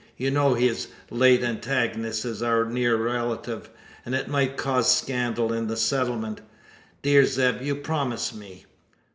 You know his late antagonist is our near relative; and it might cause scandal in the settlement. Dear Zeb, you promise me?"